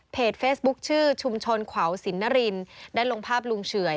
เฟซบุ๊คชื่อชุมชนขวาวสินนรินได้ลงภาพลุงเฉื่อย